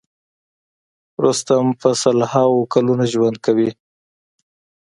رستم په سل هاوو کلونه ژوند کوي.